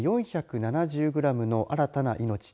４７０グラムの新たな命。